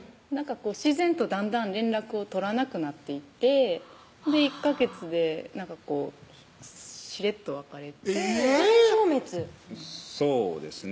自然とだんだん連絡を取らなくなっていって１ヵ月でなんかこうしれっと別れてえぇっ自然消滅そうですね